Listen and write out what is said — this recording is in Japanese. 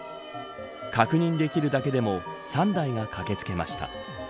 確認できるだけでも３台が駆け付けました。